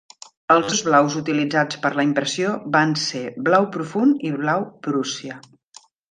Els dos blaus utilitzats per la impressió van ser blau profund i blau Prússia.